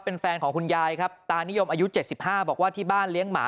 เป็นแฟนของคุณยายครับตานิยมอายุ๗๕บอกว่าที่บ้านเลี้ยงหมา